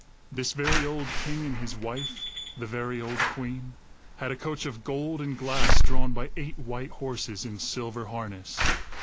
This very old king and his wife, the very old queen, had a coach of gold and glass drawn by eight white horses in silver harness.